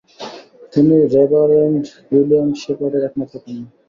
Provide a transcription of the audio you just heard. তিনি reverend William শেপার্ডের একমাত্র কন্যা।